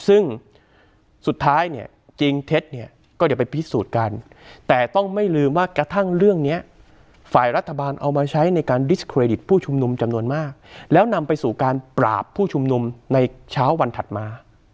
ซึ่งสุดท้ายเนี่ยจริงเท็จเนี่ยก็เดี๋ยวไปพิสูจน์กันแต่ต้องไม่ลืมว่ากระทั่งเรื่องนี้ฝ่ายรัฐบาลเอามาใช้ในการดิสเครดิตผู้ชุมนุมจำนวนมากแล้วนำไปสู่การปราบผู้ชุมนุมในเช้าวันถัดมา